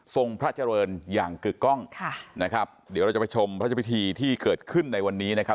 พระเจริญอย่างกึกกล้องค่ะนะครับเดี๋ยวเราจะไปชมพระเจ้าพิธีที่เกิดขึ้นในวันนี้นะครับ